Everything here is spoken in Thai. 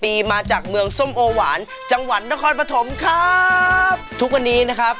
ปีมาจากเมืองส้มโอหวานจังหวัดนครปฐมครับทุกวันนี้นะครับ